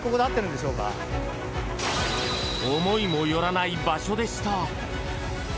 思いもよらない場所でした。